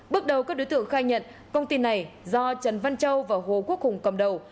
bước đầu các đối tượng khai nhận công ty này do trần văn châu và hồ quốc hùng cầm đầu